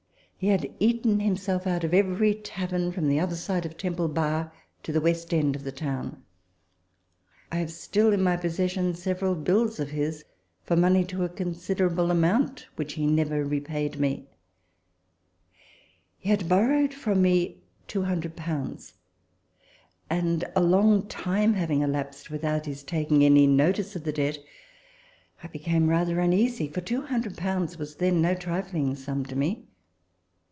He had eaten himself out of every tavern from the other side of Temple Bar to the West end of the town. I have still in my possessfon several bills of his for money to a considerable amount which he never repaid me. * The pension was granted to him in 1803 : he died in 1805. TABLE TALK OF SAMUEL ROGERS 69 He had borrowed from me two hundred pounds ; and a long time having elapsed without his taking any notice of the debt, I became rather uneasy (for two hundred pounds was then no trifling sum to me).